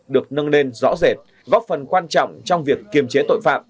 được nâng lên rõ rệt góp phần quan trọng trong việc kiềm chế tội phạm